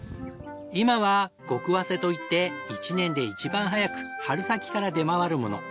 今は極早生といって１年で一番早く春先から出回るもの。